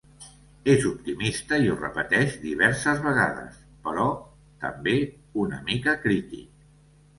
És optimista i ho repeteix diverses vegades, però també una mica crític.